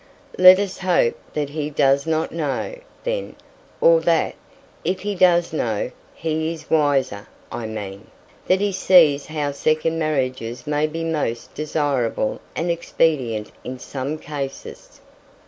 "Let us hope that he doesn't know, then; or that, if he does, he is wiser I mean, that he sees how second marriages may be most desirable and expedient in some cases."